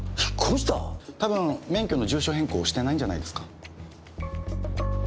多分免許の住所変更をしてないんじゃないですか？